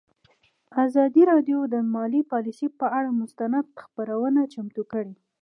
ازادي راډیو د مالي پالیسي پر اړه مستند خپرونه چمتو کړې.